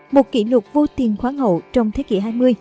một kỷ lục vô tiền khoáng hậu trong thế kỷ hai mươi